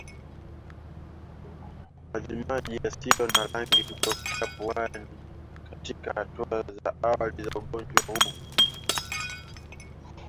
Majimaji yasiyo na rangi kutokea puani katika hatua za awali za ugonjwa huu